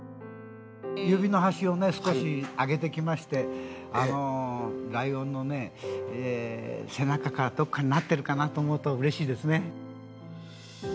指の端を少しあげてきまして、ライオンの背中かどこかになっているかなと思うと、うれしいですね。